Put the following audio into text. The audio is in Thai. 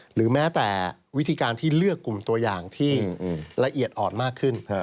หรือแม้แต่วิธีการที่เลือกกลุ่มตัวอย่างที่ละเอียดอ่อนมากขึ้น